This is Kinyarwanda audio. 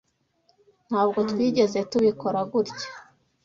Ntabwo twigeze tubikora gutya.